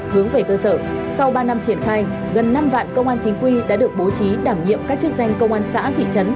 hướng về cơ sở sau ba năm triển khai gần năm vạn công an chính quy đã được bố trí đảm nhiệm các chức danh công an xã thị trấn